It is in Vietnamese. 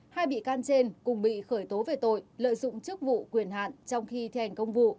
hai bị can trên cùng bị khởi tố về tội lợi dụng chức vụ quyền hạn trong khi thi hành công vụ